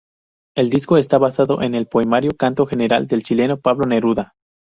El disco está basado en el poemario Canto General del chileno Pablo Neruda.